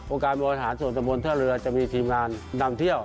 การบริหารส่วนตะบนท่าเรือจะมีทีมงานนำเที่ยว